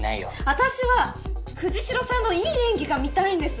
私は藤代さんのいい演技が見たいんです。